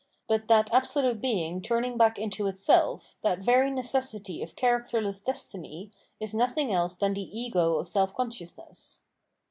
But that absolute being turning back into itself, that very necessity of characterless Destiny, is nothing else than the Ego of self consciousness.